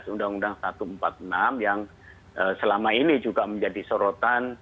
undang undang satu ratus empat puluh enam yang selama ini juga menjadi sorotan